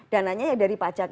dananya dari pajak